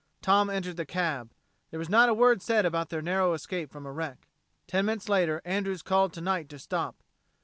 Tom entered the cab. There was not a word said about their narrow escape from a wreck. Ten minutes later Andrews called to Knight to stop.